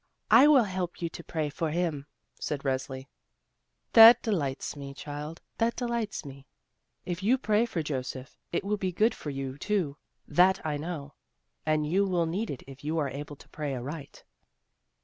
"I will help you to pray for him," said Resli. "That delights me, child; that delights me; 42 THE ROSE CHILD and if you pray for Joseph, it will be good for you, too, that I know, and you wUl need it if you are able to pray aright."